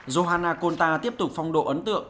johanna conta tiếp tục phong độ ấn tượng